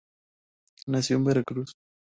Nació en Veracruz.